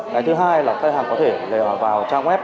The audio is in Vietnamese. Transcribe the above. cái thứ hai là khách hàng có thể vào trang web